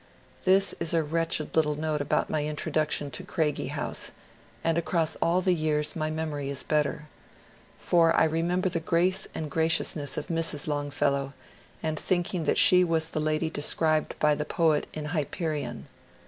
This is a wretched little note about my introduction to Craigie House, and across all the years my memory is better. For I remember the grace and graciousness of Mrs. Longfellow, and thinking that she was the lady described by the poet in *' Hyperion."